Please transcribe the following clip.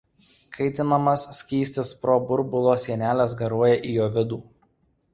Kaitinamas skystis pro burbulo sieneles garuoja į jo vidų.